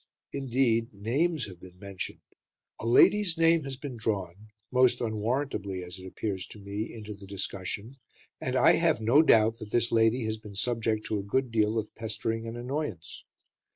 Indeed, names have been mentioned. A lady's name has been drawn, most unwarrantably as it appears to me, into the discussion, and I have no doubt that this lady has been subject to a good deal of pestering and annoyance.